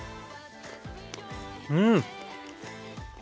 うん！